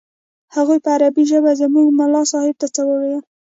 هغوى په عربي ژبه زموږ ملا صاحب ته څه وويل.